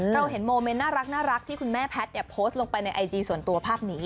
เราเห็นโมเมนต์น่ารักที่คุณแม่แพทย์โพสต์ลงไปในไอจีส่วนตัวภาพนี้